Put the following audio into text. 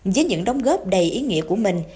với những đóng góp đầy ý nghĩa của mình